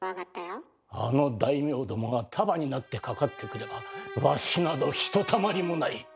あの大名どもが束になってかかってくればわしなどひとたまりもない。